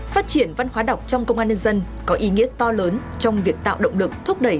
phát triển văn hóa đọc trong công an nhân dân có ý nghĩa to lớn trong việc tạo động lực thúc đẩy